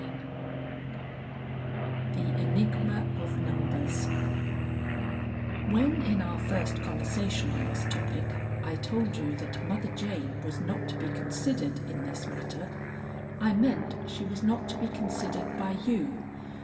XXIV THE ENIGMA OF NUMBERS "When in our first conversation on this topic I told you that Mother Jane was not to be considered in this matter, I meant she was not to be considered by you.